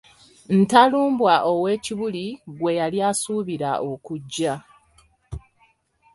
Ntalumbwa ow'e Kibuli, gwe yali asuubira okujja.